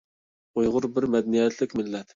ئۇيغۇر بىر مەدەنىيەتلىك مىللەت.